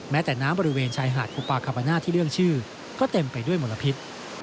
แม้แต่น้ำบริเวณชายหาดคุปาคาบาน่าที่เรื่องชื่อก็เต็มไปด้วยมลพิษ